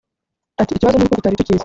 Ati “Ikibazo ni uko tutari tukizi